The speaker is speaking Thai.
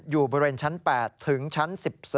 อยู่บริเวณชั้น๘ถึงชั้น๑๒